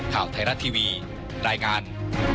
ข่าวไทยรัฐทีวีรายงาน